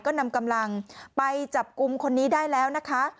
ก็นำกำลังไปจับกลุ่มคนนี้ได้แล้วนะคะ